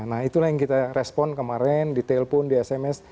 nah itulah yang kita respon kemarin di telpon di sms